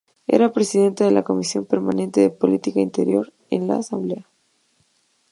Es presidenta de la Comisión Permanente de Política Interior de la Asamblea Nacional.